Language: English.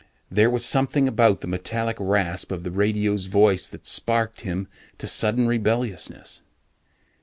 There was something about the metallic rasp of the radio's voice that sparked him to sudden rebelliousness.